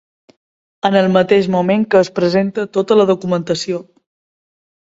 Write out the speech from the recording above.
En el mateix moment que es presenta tota la documentació.